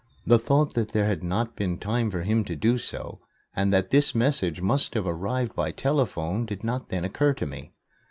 The thought that there had not been time for him to do so and that this message must have arrived by telephone did not then occur to me.